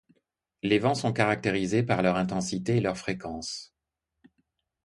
Les vents sont caractérisés par leur intensité et leur fréquence.